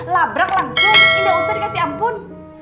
labrak langsung tidak usah dikasih ampun